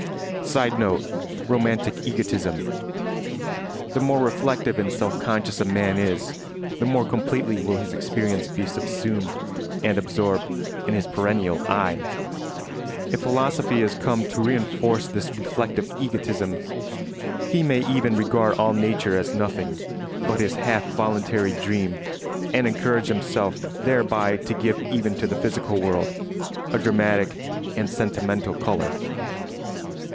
[Sidenote: Romantic egotism.] The more reflective and self conscious a man is the more completely will his experience be subsumed and absorbed in his perennial "I." If philosophy has come to reinforce this reflective egotism, he may even regard all nature as nothing but his half voluntary dream and encourage himself thereby to give even to the physical world a dramatic and sentimental colour.